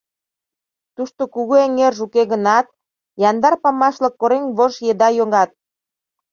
Тушто кугу эҥерже уке гынат, яндар памаш-влак корем вож еда йогат.